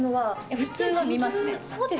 普通は見ます。